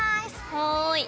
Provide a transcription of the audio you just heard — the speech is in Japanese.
はい。